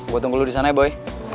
gue tunggu lu di sana ya boy